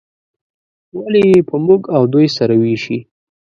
ولې یې په موږ او دوی سره ویشي.